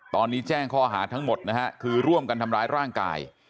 ตอนนี้แจ้งข้อหาทั้งหมดนะฮะคือร่วมกันทำร้ายร่างกาย